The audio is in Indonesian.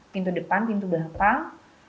pintu depan pintu belakang